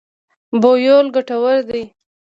بویول ګټور دی.